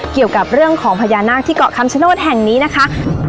เกี่ยวกับเรื่องของพญานาคที่เกาะคำชโนธแห่งนี้นะคะ